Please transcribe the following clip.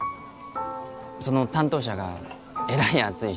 その担当者がえらい熱い人で。